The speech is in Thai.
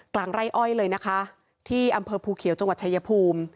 ไร่อ้อยเลยนะคะที่อำเภอภูเขียวจังหวัดชายภูมิ